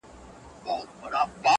شپه ده تياره ده خلک گورې مه ځه,